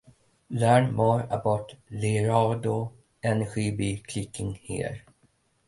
Learn more about Laredo Energy by clicking here.